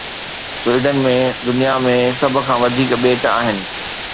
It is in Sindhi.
سويڊن ۾ دنيا ۾ سڀ کان وڌيڪ ٻيٽ آهن